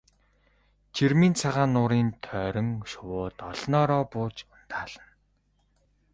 Жирмийн цагаан нуурын тойрон шувууд олноороо бууж ундаална.